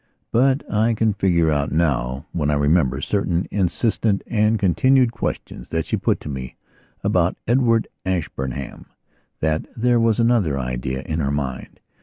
But I can figure out now, when I remember certain insistent and continued questions that she put to me, about Edward Ashburnham, that there was another idea in her mind.